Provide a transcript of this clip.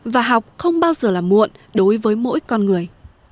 và học không bao giờ là muộn đối với mỗi con người